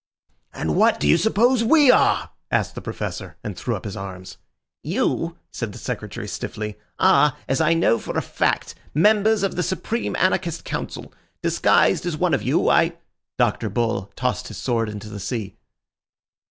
"And what do you suppose we are?" asked the Professor, and threw up his arms. "You," said the Secretary stiffly, "are, as I know for a fact, members of the Supreme Anarchist Council. Disguised as one of you, I—" Dr. Bull tossed his sword into the sea.